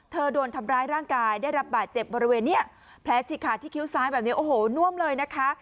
โดนทำร้ายร่างกายได้รับบาดเจ็บบริเวณนี้แผลฉีกขาดที่คิ้วซ้ายแบบนี้โอ้โหน่วมเลยนะคะ